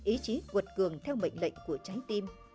ý chí quật cường theo mệnh lệnh của trái tim